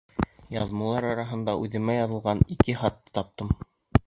Яҙмалар араһынан үҙемә яҙылған ике хатты таптым.